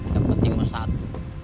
yang penting mesat